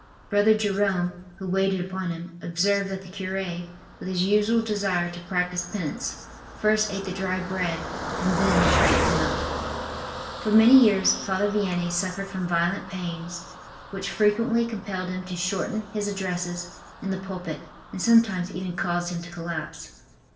Brother Jerome, who waited upon him, observed that the cure, with his usual desire to practice penance, first ate the dry bread and then drank the milk. For many years Father Vianney suffered from violent pains which frequently compelled him to shorten his addresses in the pulpit and sometimes even caused him to collapse.